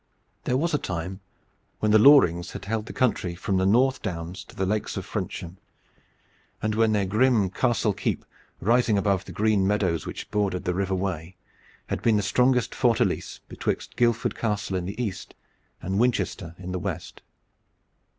There was a time when the Lorings had held the country from the North Downs to the Lakes of Frensham, and when their grim castle keep rising above the green meadows which border the River Wey had been the strongest fortalice betwixt Guildford Castle in the east and Winchester in the west.